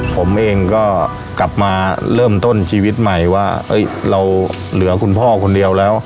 ผมเองก็กลับมาเริ่มต้นชีวิตใหม่ว่าเราเหลือคุณพ่อคนเดียวแล้ว